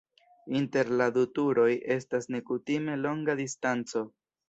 Inter la du turoj estas nekutime longa distanco.